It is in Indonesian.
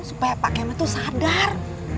supaya pak kemet tuh sadar